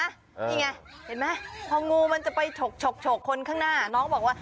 นี่ไงเห็นไหมพองูมันจะไปฉกคนข้างหน้าน้องบอกว่า